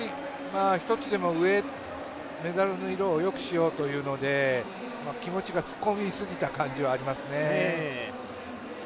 １つでもメダルの色をよくしようというので気持ちが突っ込みすぎた感じはありますね。